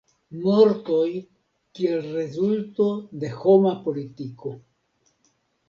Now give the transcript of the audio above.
Mortoj kiel rezulto de homa politiko.